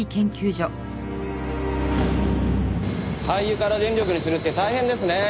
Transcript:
廃油から電力にするって大変ですね。